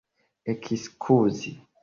ekskuzi